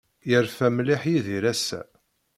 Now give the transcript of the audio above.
Yerfa mliḥ Yidir ass-a.